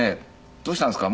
「どうしたんですか？